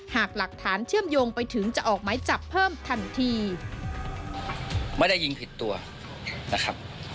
หากหลักฐานเชื่อมโยงไปถึงจะออกไม้จับเพิ่มทันทีไม่ได้ยิงผิดตัวนะครับ